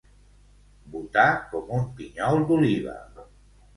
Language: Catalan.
Botar com un pinyol d'oliva.